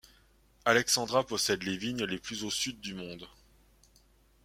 Alexandra possède les vignes les plus au sud du monde.